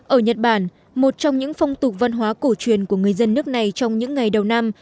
ở nhật bản một trong những phong tục văn hóa cổ truyền của người dân nước này trong những ngày đầu năm